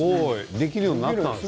できるようになったんですね。